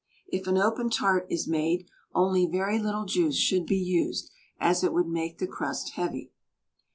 If an open tart is made, only very little juice should be used, as it would make the crust heavy.